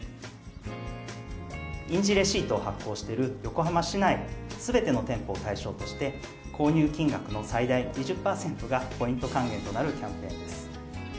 印字レシートを発行している横浜市内すべての店舗を対象として、購入金額の最大２０％がポイント還元となるキャンペーンです。